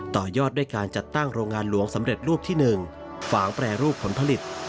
ต่อยอดด้วยการจัดตั้งโรงงานหลวงสำเร็จรูปที่๑ฝางแปรรูปผลผลิต